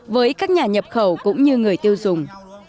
với các nhà nhập khẩu cũng như người tiêu dùng